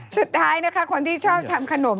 สุดท้ายนะคะคนที่ชอบทำขนม